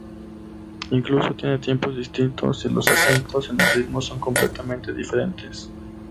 Incluso tiene tiempos distintos y los acentos en el ritmo son completamente diferentes.